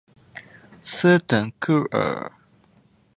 斯滕克尔。